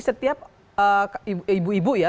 setiap ibu ibu ya